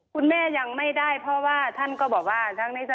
คุณแม่ยังไม่ได้เพราะว่าท่านก็บอกว่า